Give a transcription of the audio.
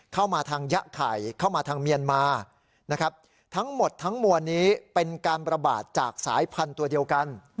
เข้ามาทางยะไข่เข้ามาทางเมียนมานะครับทั้งหมดทั้งมวลนี้เป็นการประบาดจากสายพันธุ์ตัวเดียวกัน